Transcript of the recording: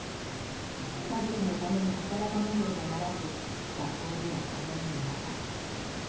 家族のために働かなければならず、学校には通えていません。